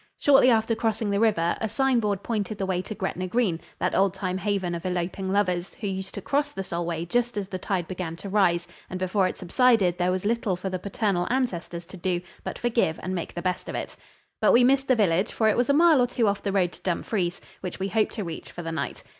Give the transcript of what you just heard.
Shortly after crossing the river, a sign board pointed the way to Gretna Green, that old time haven of eloping lovers, who used to cross the Solway just as the tide began to rise, and before it subsided there was little for the paternal ancestors to do but forgive and make the best of it. But we missed the village, for it was a mile or two off the road to Dumfries, which we hoped to reach for the night.